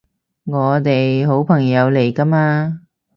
我哋好朋友嚟㗎嘛